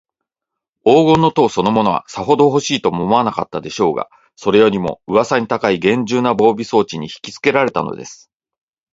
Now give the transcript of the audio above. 黄金の塔そのものは、さほどほしいとも思わなかったでしょうが、それよりも、うわさに高いげんじゅうな防備装置にひきつけられたのです。